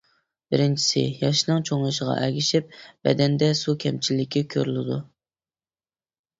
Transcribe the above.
بىرىنچىسى، ياشنىڭ چوڭىيىشىغا ئەگىشىپ بەدەندە سۇ كەمچىللىكى كۆرۈلىدۇ.